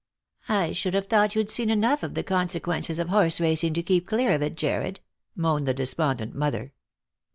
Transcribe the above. "i should have thought you'd seen enough of the con ftcauences of horse racing to keep clear of it, Jarred," moaned *Ofe despondent mother.